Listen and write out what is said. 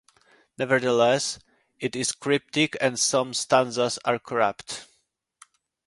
Nevertheless, it is cryptic and some stanzas are corrupt.